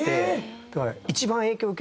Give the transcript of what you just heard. だから。